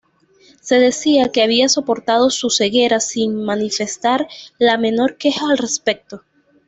Se decía que había soportado su ceguera sin manifestar la menor queja al respecto.